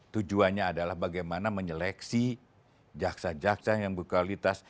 tujuannya adalah bagaimana menyeleksi jaksa jaksa yang berkualitas